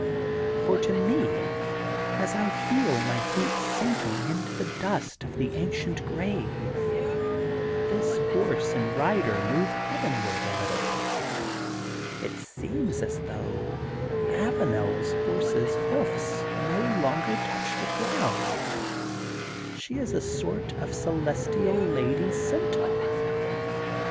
For to me, as I feel my feet sinking into the dust of the ancient grave, this horse and rider move heavenward a little, it seems as though AvanePs horse's hoofs no longer quite touch the ground; she is a sort of celestial lady centaur.